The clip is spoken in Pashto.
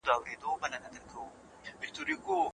په ښوونځي کې یوازیتوب ځای نلري.